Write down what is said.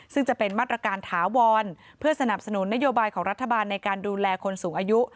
ซึ่งจะเป็นมาตรการถาวรเพื่อสนับสนุนนโยบายของรัฐบาลในการดูแลคนสูงอายุ